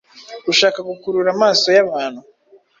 ushaka gukurura amaso y’abantu.